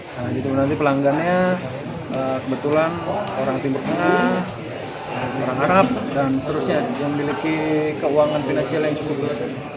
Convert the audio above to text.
nah gitu nanti pelanggannya kebetulan orang timur tengah orang arab dan seterusnya yang memiliki keuangan finansial yang cukup berat